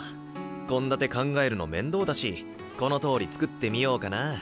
献立考えるの面倒だしこのとおり作ってみようかな。